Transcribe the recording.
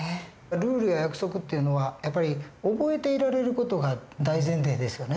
ルールや約束っていうのはやっぱり覚えていられる事が大前提ですよね。